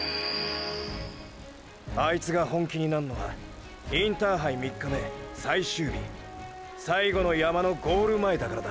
あいつが本気になんのはインターハイ３日目最終日ーー最後の山のゴール前だからだ！！